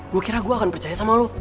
gue kira gue akan percaya sama lo